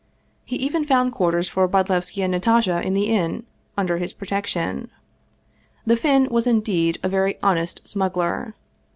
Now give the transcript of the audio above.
He even found quarters for Bodlevski and Natasha in the inn, under his protection. The Finn was indeed a very honest smuggler.